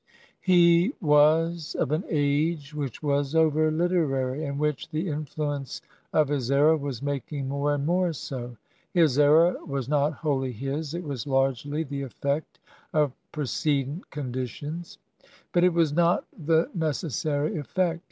He was of an age which was over Uterary, and which the influence of his error was making more and more so. His error was not wholly his; it was largely the effect of precedent conditions; but it was not the neces sary effect.